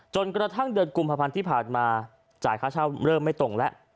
จนกระทั่งเดือนกุมภาพันธ์ที่ผ่านมาจ่ายค่าเช่าเริ่มไม่ตรงแล้ว